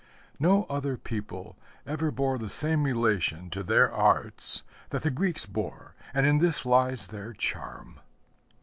No other people ever bore the same relation to their arts that the Greeks bore; and in this lies their charm.